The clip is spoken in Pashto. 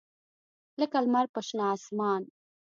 لکه لمر په شنه اسمان